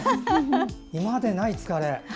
今までにない疲れ。